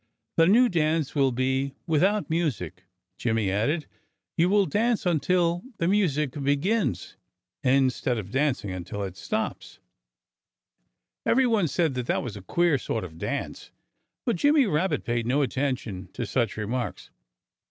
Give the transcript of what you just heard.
"The new dance will be without music," Jimmy added. "You will dance until the music begins, instead of dancing until it stops." Everyone said that that was a queer sort of dance. But Jimmy Rabbit paid no attention to such remarks.